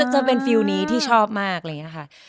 จะเป็นฟิลล์นี้ที่ชอบมากอะไรอย่างนี้ค่ะ